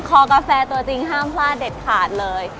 กาแฟตัวจริงห้ามพลาดเด็ดขาดเลย